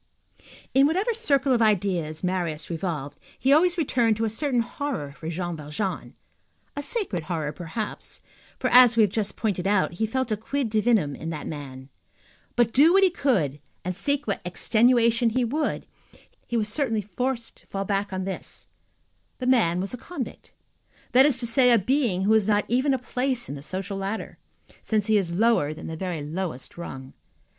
In whatever circle of ideas Marius revolved, he always returned to a certain horror for Jean Valjean. A sacred horror, perhaps, for, as we have just pointed out, he felt a quid divinum in that man. But do what he would, and seek what extenuation he would, he was certainly forced to fall back upon this: the man was a convict; that is to say, a being who has not even a place in the social ladder, since he is lower than the very lowest rung.